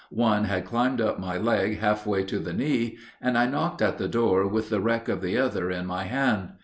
One had climbed up my leg half way to the knee, and I knocked at the door with the wreck of the other in my hand.